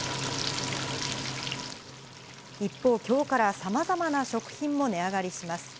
一方、今日からさまざまな食品も値上がりします。